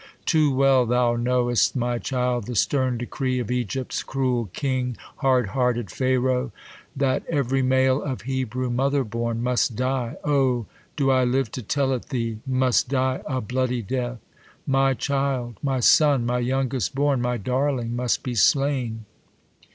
Too well thou know'st, my child, the stern decree Of Fgypt's cr\iol ki/ig, hard hearted Pharaoh ; THE COLUMBIAN ORATOR. 139 " That ev'ry male, of Hebrew mother born, ♦' Must die." O ! do 1 live to tell it thee ?; Must die a bloody death ! My child ! my son, My youngest born, my darling must be slain